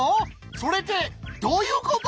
それってどういうこと！？